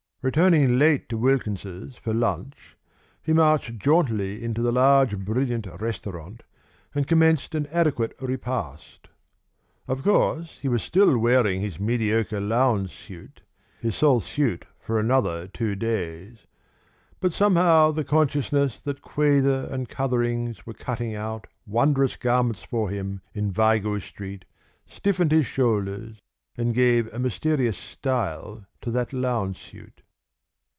Returning late to Wilkins's for lunch, he marched jauntily into the large brilliant restaurant, and commenced an adequate repast. Of course he was still wearing his mediocre lounge suit (his sole suit for another two days), but somehow the consciousness that Quayther and Cutherings were cutting out wondrous garments for him in Vigo Street stiffened his shoulders and gave a mysterious style to that lounge suit.